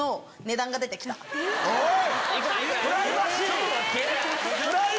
おい！